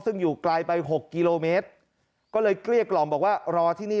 ซึ่งอยู่ไกลไปหกกิโลเมตรก็เลยเกลี้ยกล่อมบอกว่ารอที่นี่